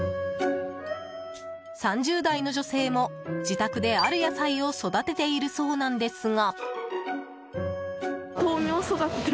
３０代の女性も自宅である野菜を育てているそうなんですが。